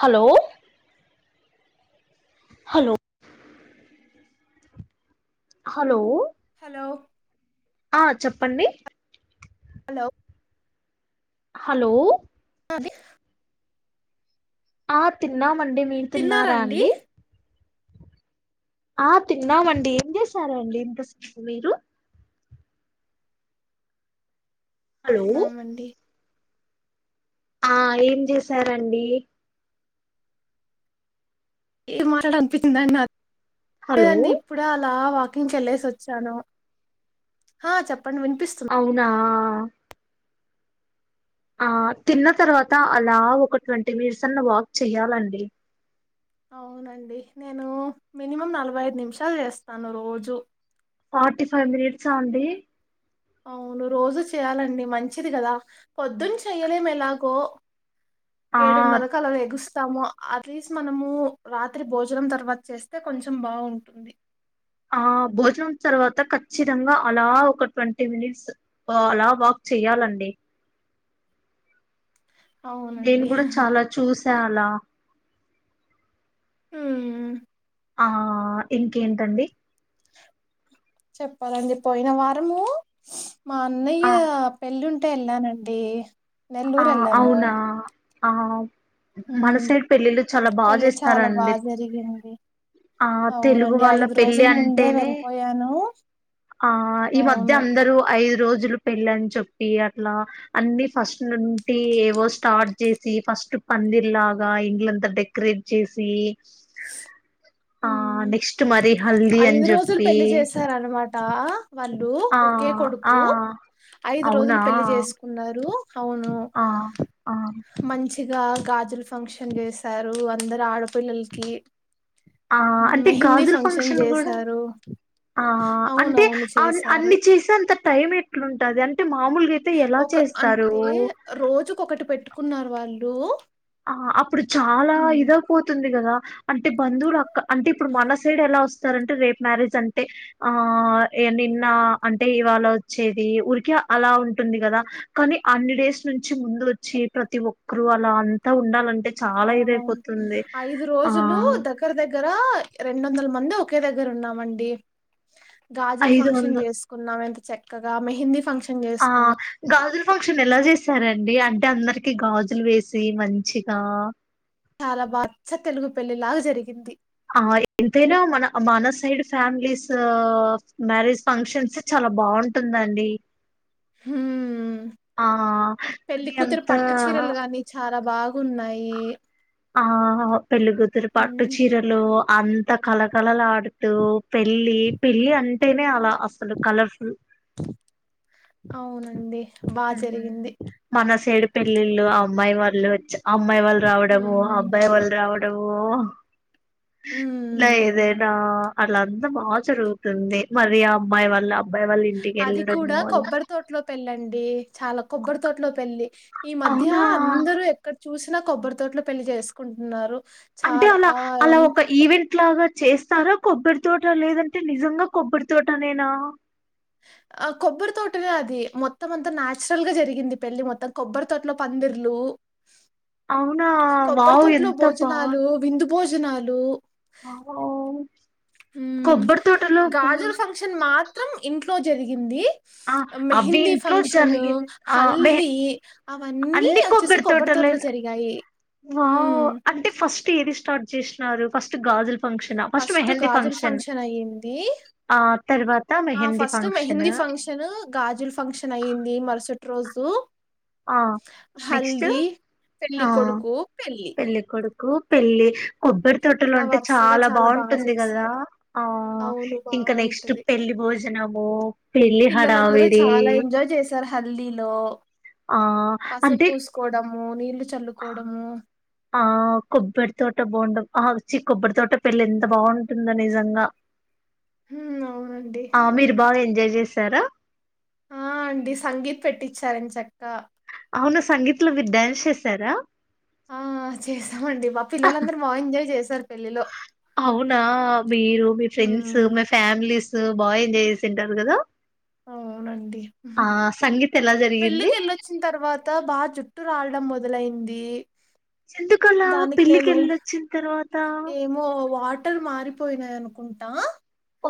Hello hello hello hello ఆ చెప్పండి hello hello అది ఆ తి తిన్నామండి మీరూ తిన్నారా అండి ఆ తిన్నామండి ఏం చేసారండి ఇంత మీరు హలో తిన్నమండి ఆ ఏం చేసారండి ఏం మాట్లాడ అనిపించింద నాది హలో లేదండి ఇప్పుడే అలా వా వాకింగ్ కి యెళ్లేసి వచ్చాను హ చాప్ అవునా ఆ ఆ తిన్న తర్వాత అలా ఒక ట్వంటీ మినిట్స్ అన్నా వాక్ చెయ్యాలండి అవునండి నేను మినిమం నలభై ఐదు నిమిషాలు చేస్తాను రోజు ఫార్టీ ఫైవ్ మినిట్సా అండి అవును రోజూ చెయ్యాలండి మంచిది కదా పొద్దున్న చెయలేము ఎలాగో ఆ ఏడున్నర కల లెగుస్తా తాము అట్లీస్ట్ మనము రాత్రి భోజనం తర్వాత చేస్తే కొంచం బాగుంటుంది ఆ భోజనం తర్వాత ఖచ్చితంగా అలా ఒక ట్వంటీ మినిట్స్ అలా వాక్ చేయ్యాలండి నేను అవునండి కూడా చాలా చూసి చాలా ఉ ఆ ఇంకేంటండి చెప్పాలండి పోయిన వారము మా ఆ అన్నయ్య పెళ్ళి టెల్లానండి ఆ అవునా ఆ మన ఉమ్ సైడ్ పెళ్ళిల్లు చాలా బాగా పెళ్ళి చాలా జేస్తారంండి బాగా జరిగింది ఆ తెలుగు అవునండి వాళ్ళ ఐదు పెళ్ళి రోజుల ముందే అంటేనే వెళ్ళిపోయాను ఆ ఈ మధ్య అవును అందరు ఐదు రోజులు పెళ్ళ అని చెప్పి అట్లా అన్ని ఫస్ట్ నుండి ఏవో స్టార్ట్ చేసి ఫస్ట్ పందిర్ లాగా ఇండ్లంతా డెకరేట్ చేసి ఆ ఉమ్ నెక్స్ట్ మరి హల్దీ అని జెప్పి దా వాళ్ళు ఒకే ఆ కొడుకు ఐదు అవునా రోజులు పెళ్లి చేసుకున్నారు హవును ఆ ఆ మంచ్ ఇగా గాజులు ఫంక్షన్ చేశారు అందరు ఆడపిల్లల్ కి ఆ అంటే గాజులు ఫంక్షన్ కూడా, చేశారు ఆ అంటే అవునవును అ చేశారు అన్ని చేసి అంత టైం ఎట్లా ఉంటది అని. ఒక అంటే రోజుకి ఒకటి పెట్టుకున్నారు వాళ్ళు ఆ అప్పుడు చాలా హ్మ్ ఇదైవ్ పోతుంది కదా అంటే బంధువులు అక్క అంటే ఇప్పుడు మన సైడ్ ఎలా వస్తారంటే రేపు మ్యారేజ్ అంటే ఆ ఇగ నిన్న అంటే ఇవాళ వచ్చేది. ఊరికే అలా ఉంటుంది కదా కానీ అన్ని డేస్ నుంచి ముందు వచ్చి ప్రతి ఒక్కరు అలా అన్, ట ఉండాలన్ అవును అవును ఐదు ఆ రోజులు దగ్గర దగ్ గర రెండు వందల మంది ఒకే దగ్గర ఉన్నామండి గాజులు ఐదు వంద ఫంక్షన్ చేసుకున్నాం ఎంత చక్కగా మె హిందీ ఫంక్షన్ ఆ చేసుకున్నాం గాజుల ఫంక్షన్ ఎలా చేస్తారండి అంటే అందరికి గాజులు వేసి మంచిగా చాలా బాగోచ తెలుగు పెళ్ళలిలాగా జరిగింది ఆ ఎంతైనా మన మన సైడ్ ఫ్యామిలీస్ మ్యారేజ్ ఫంక్షన్స్ చాలా బాగుంటుందండి హమ్ ఆ అది పెళ్లికూతురు అంతా పట్టు చీరలు గాని చాలా బాగా ఉన్నాయి ఆ పెళ్ళకుతురు పట్టు హ్మ్ చీరలు అంత కలకళలు ఆడుతూ పెళ్ళి పెళ్లి అన్ అంటేనే అలా అసలు కలర్స్ అవునండి బా జరిగింది మన సైడు పెళ్లిళ్ళు ఆ అమ్మాయి వాళ్ళు వచ్చి అమ్మాయి వాళ్ళు రావడము హ్మ్ అబ్బాయి వాళ్ళు రావడము హో లై హ్మ్ ఇదేనా అలా అంత ఆ బా జరుగుతుంది మరి ఆ అమ్మాయి వాల్ల అది కూడా కొబ్బరి తోటలో పెళ్ళండి చాలా కొబ్బరి తోటలో పెళ్లి ఈ మధ్య అవునా అందరూ ఎక్కడ చూసినా కొబ్బరితోట్లో పెళ్లి చేసుకుంటున్నారు. అంటే చాలా అలా ఆ! అలా ఎంత ఒక ఈవెంట్ లాగా చేస్తారా కొబ్బరి తోట లేదంటే నిజంగా కొబ్బరి తోట నేనా ఆ కొబ్బరి తోటనే అది మొత్తం అంతా నాచురల్గా జరిగింది పెళ్లి మొత్తం కొబ్బరి తోటలో పందిర్లు అవునా కొబ్బరి వావ్ తోటలో ఎంత బా భోజనాలు, విందు భోజనాలు ఆ ఓ గాజులు ఫంక్షన్ మాత్రం ఇంట్ ట్లో జరిగింది ఆ అవి మెహందీ ఇంట్లో ఫంక్షన్, జరిగింది ఆ మె హల్దీ అవన్నీ అన్ని వచ్చేసి కొబ్బరి తోటలో తోటలేన జరిగాయి. వావ్ హ్మ్. అంటే ఫస్ట్ ఏది స్టార్ట్ చేసినారు, ఫస్ట్ గాజుల్ ఫస్ట్ గాజులు ఫంక్షన్ అయింది. ఆ తర్వాత ఆ mehndi first function mehndi function గాజులు ఫంక్షన్ అయింది మరుసట్ రోజూ ఆ నెక్స్ట్ పెళ్లి ఆ కొడుకు, పెళ్లి. పెళ్లికొడుకు పెళ్లి. కొబ్బరి తోటలో ఇలా అంటే వరుసగా చాలా బాగా బాగుంటుంది కదా చేస్తారు. ఆ అవును ఇంకా నెక్స్ట్ బావుంటది. పెళ్లి భోజనము పెళ్లి పిల్లలందరూ హడావిడి చాలా ఎంజాయ్ చేశారు హల్దీలో ఆ పసుపు అంటే పూసుకోవడము, నీళ్లు చల్లుకోవడము. ఆ కొబ్బరి తోట బోండం ఆ చ్చి కొబ్బరి తోట పెళ్లి ఎంత బాగుంటుందో నిజంగా హ్మ్ అవునండి ఉహుమ్ తర ఆ అండి సంగీత్ పెట్టించా రెంచెక్క మొన్న సంగీత్లో మీర్ డ్యాన్స్ చేసారా ఆ చేశామండి మా పిల్లలందరూ బాగా ఎంజాయ్ చేస్ అవునా మీరు మీ ఫ్రెండ్స్ హ్మ్. మీ ఫ్యామిలీస్ సో బా ఎంజాయ్ చేసింటారు కదా అవునండి. ఆ సంగీత్ ఎలా జరిగింది పెళ్ళికి ఏళ్ళొచ్చిన తర్వాత బాగ జుట్ జుట్టు రావడం మొదలైంది. ఎందుకలా దానికి పెళ్లికి నేను ఎళ్ళొచ్చిన తర్వాతా బట్టలు మారిపోయినయి అనుకుంటా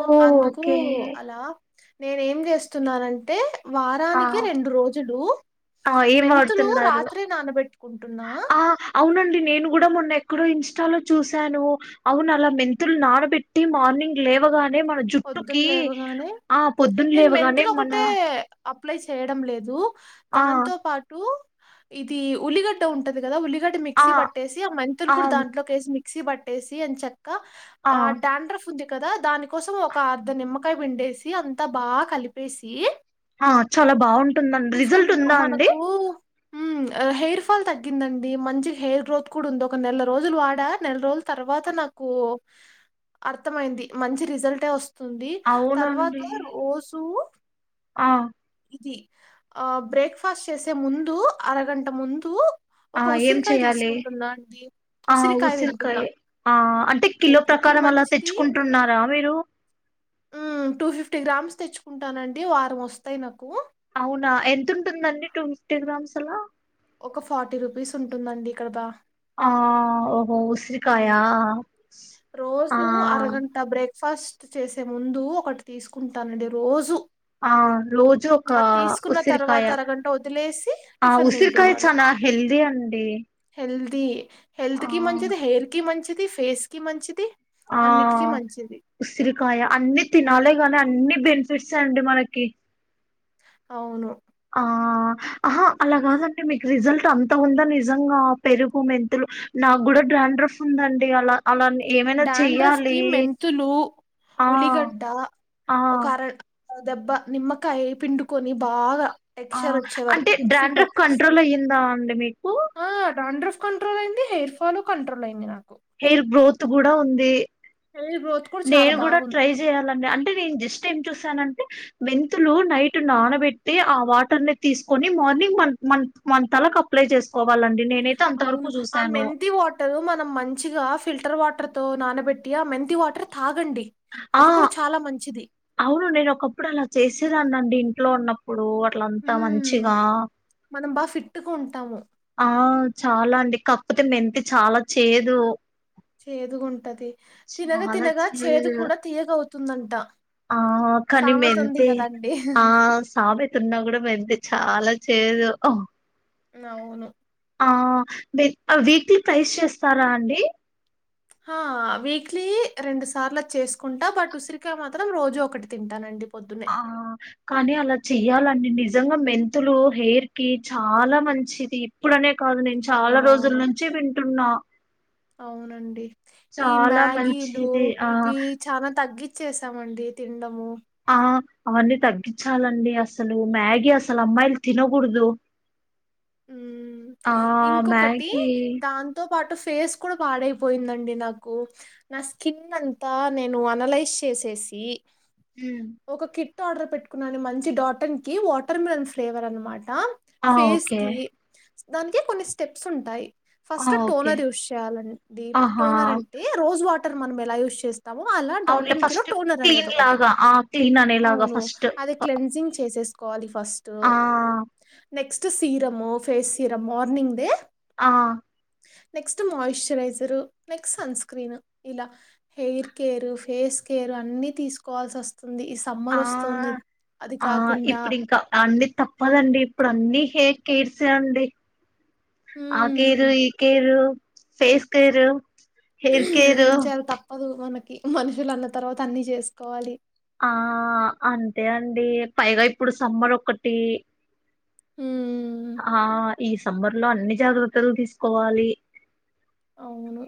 ఓ అందుకూ ఓకే అలా నేను ఏం చేస్తున్నానంటే ఆ వారానికి రెండు రోజులు ఆ ఏం మెంతులు వాడుతున్నారు రాత్రి నానబెట్టుకుంటున్నా ఆ అవునండి నేను కూడా మొన్న ఎక్కడో ఇన్స్టా లో చూశాను అవును అలా మెంతులు నానబెట్టి మార్నింగ్ లేవగా మన జుట్టుకి పొద్దున్న లేవగానే ఆ పొద్దున నేను లేవగానే మెంతులు మన ఒకటే అప్లై చేయడం లేదు ఆ దాంతో పాటు ఇది ఉల్లిగడ్డ ఉంటది కదా ఉలి ఆ మిక్సీ పట్టేసి ఆ మంతులు కూడా దాంట్లోకిసి మిక్సీ బ ట్టేసి అని చె ఆ డాండఫ ఉంది కదా దాని కోసం ఒ ఒక అర్ధ నిమ్మకాయ పిండేసి అంతా బాగా కలిపేసి ఆ చాలా బాగుంటుందండి రిజల్ట్ పూసుకుంటున్నాం ఉందా అండి మనకు హెయిర్ ఫాల్ తగ్గిందండి మంచి హెయిర్ గ్రోత్ కూడా ఉంది ఒక నెల రోజులు వాడా నెల రోజుల తర్వాత నాకు అర్థమైంది మంచి రిజల్టే వస్తు వస్తుంది తర్వాత అవునండి ఓసు ఆ కి ఆ బ్రేక్ఫాస్ట్ చేసే ముందు అరగంట ముందు ఆ ఒక ఏం ఉసిరికాయ చెయాలి తీసుకుంటున్నా అండి ఆ ఉసిరికాయ ఆ అంటే కిలో హెల్త్ కి ప్రకారం అలా తెచ్చుకుంటున్నారా మీరు మ్మ్ టూ ఫిఫ్టీ గ్రామ్స్ తెచ్చుకుంటానండి వారం వస్తాయి నాకు అవునా ఎంతఉంటుంది అండి టూ ఫిఫ్టీ గ్రామ్స్ అలా ఒక ఫార్టీ రూపీస్ ఉంటుందండి ఇక్కడ బా ఓస్ ఆ రోజు అరఘంటా బ్రేక్ ఫస్ట్ చేసే ముందు ఒకటి తీసుకుంటానండి రోజు ఆ రోజు ఒక అది తీసుకున్న తర్వాత ఉసిరికాయ అరగంట వదిలేసి ఆ టిఫిన్ ఉసిరికాయ తింటున్నాను చనా హెల్దీ అండి ది హెల్త్ ఆ కి మంచి హెల్త్ కి మంచిది ఫేస్ కి మంచిది ఆ అన్నిటికీ మంచిది ఉసిరికాయ అన్ని తినాలే గానీ అన్ని బెనిఫిట్స్ ఏ అండి మనకి అవును ఆ అహ అలా కాదండి మీ రిజల్ట్ అంత ఉందా నిజంగా పెరుగు మెంతులు నాకు కూడా డ్రాండ్రఫ్ ఉందండి అలా అలా ఏమైనా డాండ్రఫ్ కి చెయ్యాలి మెంతులు, ఆ ఉలిగడ్డ ఆ ఒక అర దెబ్బా నిమ్మకాయ పిండుకని బాగా ఆ టెక్చర్ వచ్చే వరకు అంటే మిక్సి కి డాండ్రఫ్ పట్టేసి కంట్రోల్ అయ్యిందా అండి మీకు హెయిర్ ఫాలు కంట్రోల్ అయింది నాకు. హెయిర్ గ్రోత్ కూడా ఉంది. హెయిర్ గ్రోత్ కూడా చాలా నేను కూడా బాగుంది ట్రై చేయాలి అండి. అంటే నేను జస్ట్ ఏం చూసానంటే మెంతులు నైట్ నానబెట్టి, ఆ వాటర్ ని తీసుకొని మార్నింగ్ మన్, మన్, మన్, తలకు అప్లై చేసుకోవాలి. అవును ఆ మెంతి వాటర్ మనం మంచి మంచిగా ఫిల్టర్ వాటర్ తో నానబెట్టి ఆ మెంతి వాటర్ తాగోచ్. ఆ అవును నేను ఒకప్పుడు అలా చేసే అండి ఇంట్లో ఉన్నప్పుడు అట్లంతా మంచిగా తిట్టుకుంటాము. ఆ చాలా అండి కప్పతే మెంతి చాలా చేదు చేదుగా ఉంటది. తినగా తినగా చేదు కూడా తీయగవుతు తుందంట. ఆ కాని మేంతే ఆ సామెత ఉన్నా కూడా మేంతే చాలా చేదు. అవును. ఆ వీక్లీ ప్రైస్ చేస్తారా అండి. ఆ హా వీక్లీ రెండు సార్లు చేసుకుంటా బట్, ఉసిరికాయ మాత్రం రోజు ఒకటి తింటానండి. పొద్దున్నే. ఆ కానీ అలా చే చెయాలండి. నిజంగా మెంతులు హెయిర్ కి చాలా మంచిది ఇప్పుడనే కాదు నేను చాలా రోజుల అవునవును. నుంచి వింటున్నా అవునండి. ఈ చాలా మ్యాగీలు మంచిది ఆ చేసామండి తినడము. ఆ అవన్నీ తగ్గించాలండి. అసలు మ్యాగీ అసలు అమ్మాయిలు తినకూడదు. ఉమ్ ఆ ఇంకొకటి మ్యాగీ దాంతో పాటు ఫేస్ కూడా పాడైపోయిందండి నాకు, నా స్కిన్ అంతా నేను అనలైజ్ చేసేసి ఉం ఒక కిట్ ఆర్డర్ పెట్టుకున్నాను. మంచి డాటన్ కి వాటర్ మిలన్ ఫ్లేవర్ అనమాట హ ఆ ఫేస్ ఓకే కీ దానికి కొన్ని స్టెప్స్ ఉంటాయి. ఆ ఫస్ట్ ఓకే టోనర్ యూస్ చేయాలండి. టోనర్ ఆహా అంటే రోజ్ వాటర్. మనం ఎలా యూస్ చేస్ తాము అలా అవునులే డాటన్ కిలో ఫస్ట్ టోనర్ అనేది క్లీన్ ఒకటి. లాగా ఆ క్లీన్ అనేలాగా అవును. ఫస్ట్ అది క్లెన్జింగ్ చేసేస్ కోవాలి ఫస్ట్ ఆ నెక్స్ట్ తీరమో ఫేస్ సీరమ్ మార్నింగ్దే ఆ next moisturiser next sunscreen ఇలా హెయిర్ కేరు ఫేస్ కేరు అన్ని తీసుకోవాల్సి వస్ ఆ ఆ కాకుండా ఇప్పుడు ఇంకా అండి తప్పదండి ఇప్పుడు అన్నీ హేర్ కేర్సె అండి ఆ కేేరు హ్మ్. ఈ care face care hair care ఏం చేయాల తప్పదు మనక్ కి మనుషులు అన్న తర్వాత అన్ని జేసుకోవాలి ఆ అంతే అండి పైగా ఇప్పుడు సమ్మర్ ఒకటి ఊమ్ ఆ ఈ సమ్మర్ లో అన్ని జాగ్రత్తలు తీసుకోవాలి అవును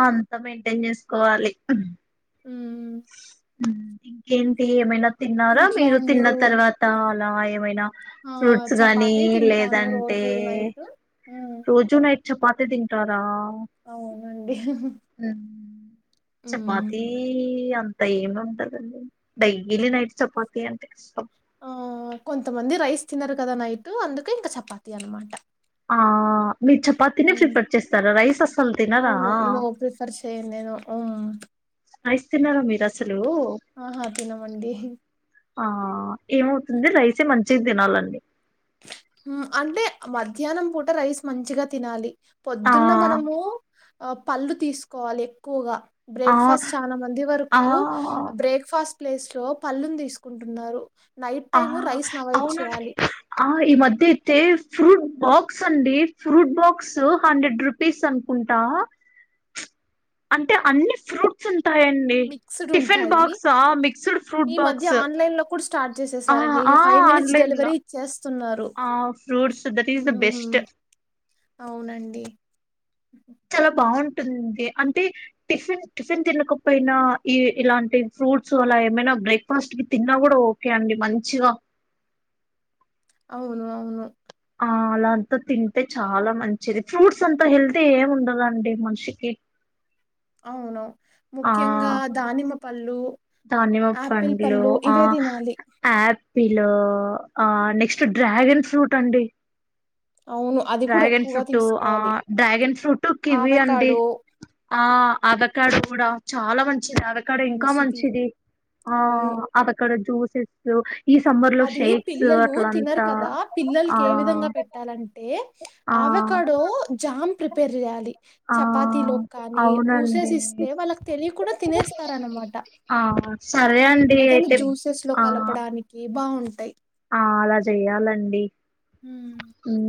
అంత మైంటెన్ జేస్ కోవాలి ఊ ఊ ఇంకేంటి ఏమైనా తిన్నారా ఇంట్లో మీరు తిన్న అందరూ తర్వాత ఆ ఎమైనా ఆ చపాతీ తింటాను రోజు నైట్ ఊమ్ రోజు నైట్ చపాతి దింటారా అవునండి హహ చపాతీ ఈ అంత ఏమి ఉంటదండి డైలీ నైట్ చపాతి అంటే కష్టం ఆ కొంతమంది రైస్ తినరు కద నైట్ అందుకే ఇంక చపాతి అనమాట ఆ మీర్ చపాతీని హ్మ్. ప్రిఫర్ చేస్తారా రైస్ అసలు తినరా అవును. నో ప్రిఫర్ చేయను నేను. రైస్ తినర మీరసల్ ఆహ తినమండి ఇహ్ ఆ ఏమవుతుంది రైసే మంచి తినాలండి ఉ అంటే మధ్యాహ్నం పూట రైస్ మంచిగా తినాలి ఆ పొద్దున్న మనము అ పళ్ళు తీసుకోవాలి ఎక్కువగ ఆ బ్రేక్ఫాస్ట్ చాలా మంది వరకు ఆ బ్రేక్ఫాస్ట్ ప్లేస్ లో పళ్ళుని తీసుకుంటున్నారు నైట్ ఆ టైమ్ రైస్ని అవాయిడ్ అవునండి చేయాలి ఆ ఈ మధ్య అయితే ఫ్రూట్ బాక్స్ అండి ఫ్రూట్ బాక్స్ ఉ హండ్రెడ్ రూపీస్ అనుకుంటా అంటే అన్ని ఫ్రూట్స్ ఉ ఉంటాయండి మిక్స్‌డ్ టిఫిన్ ఉంటాయి. బాక్స మిక్స్డ్ ఫ్రూట్ ఈ మధ్య బాక్స్ ఉ ఆన్‌లైన్‌లో కూడా స్టార్ట్ అ చేసేసారండి. ఆ మినిట్స్ ఆన్లైన్లో డెలివరీ ఇచ్చేస్తున్నారు. ఆ ఫ్రూట్స్ దటీస్ ద హ్మ్. బెస్ట్ అవునండి చాలా బాగుంటుంది అండీ అంటే టిఫిన్ టిఫిన్ తినకపోయినా ఈ ఇలాంటి ఫ్రూట్స్ అలా ఏమైనా బ్రేక్ఫాస్ట్ కి తిన్నా కూడా ఓకే అండి మంచిగా అవును అవును ఆ అలా అంతా తింటే చాలా మంచిది ఫ్రూట్స్ అంతా హెల్తీ ఏమి ఉండదండి మనిషికి అవును ముఖ్యంగా దానిమ్మ పళ్ళు ధాన్యమ యాపిల్ పండ్లు పళ్ళు ఆ ఇవే తినాలి. ఆప్ పీల్ ఆ నెక్స్ట్ డ్రాగన్ ఫ్రూట్ అండి అవును. అది కూడా డ్రాగన్ ఎక్కువగా ఫ్రూటు ఆ తీసుకోవాలి. డ్రాగన్ ఫ్రూటు కివి అండి ఆవకాడో ఆ ఆదకాడు కుడా చాలా మం ది అదకాడ ఇంకా మంచిది ఆ అవును అదకాడ జ్యూస్ చెట్లు అది పిల్లలు తినరు కదా ఆ పిల్లలకి ఏ విధంగా పెట్టాలంటే ఆ ఆవ కాడు జా ఉమ్ ప్రిపేర్ చేయాలి ఆ చపాతలోకి కానీ పూసేసి అవునండి ఇస్తే వాళ్ళకి తెలియ కుండా తినేస్తారనమాట ఆ సరే అండి ఏదైనా అయితే జ్యూసెస్ లో ఆ కలపడానికి బాగుంటాయి ఆ అలా చెయాలండి ఉమ్ ఉం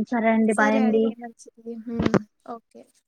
సరే అండి మంచిది ఉమ్ ఓ కె